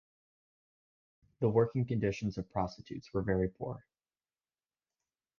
The working conditions of prostitutes were very poor.